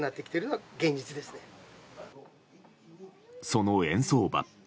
その円相場